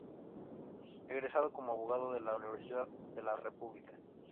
Egresado como abogado de la Universidad de la República.